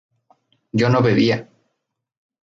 yo no bebía